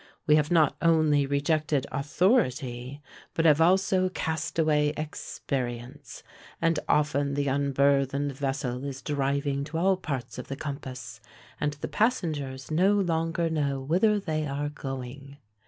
We have not only rejected AUTHORITY, but have also cast away EXPERIENCE; and often the unburthened vessel is driving to all parts of the compass, and the passengers no longer know whither they are going.